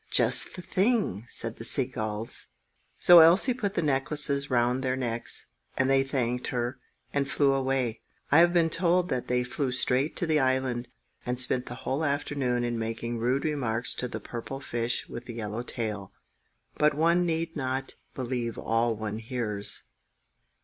"Just the thing!" said the sea gulls. So Elsie put the necklaces round their necks, and they thanked her, and flew away. I have been told that they flew straight to the island, and spent the whole afternoon in making rude remarks to the purple fish with the yellow tail, but one need not believe all one hears.